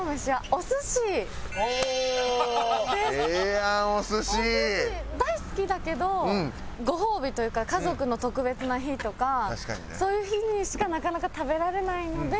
お寿司大好きだけどご褒美というか家族の特別な日とかそういう日にしかなかなか食べられないので。